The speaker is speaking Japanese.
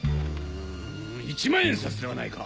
一万円札ではないか！